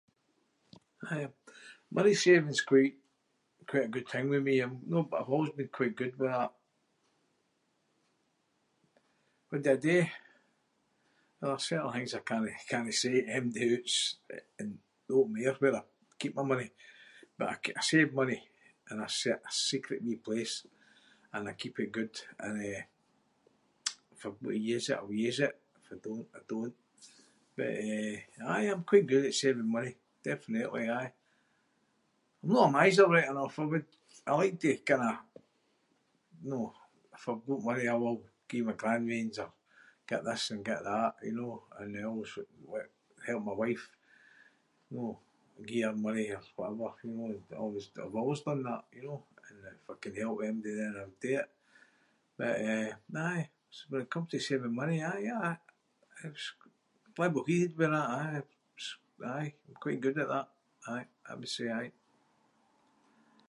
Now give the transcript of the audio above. Aye, money-saving’s quite- quite a good thing with me. I’m- know, but I've always been quite good with that. What do I do? Well there’s certain things I cannae- cannae say to anybody [inc] in open air where I keep my money. But I k- I save money in a cert- a secret wee place and I keep it good and, eh, if I’ve got to use it I’ll use it. If I don’t, I don’t. But, eh, aye. I’m quite good at saving money. Definitely, aye. I’m no a miser right enough. I would- I like to kinda, know- if I’ve got money I will gie my grandweans or get this and get that, you know? And eh, I always help my wife, know, and gie her money or whatever, you know, and always- I've always done that, you know? And if I can help anybody then I would do it. But, eh, aye. When it comes to saving money, aye- [inc] level-heided with that. Aye, aye. I’m quite good at that. Aye, I would say. Aye.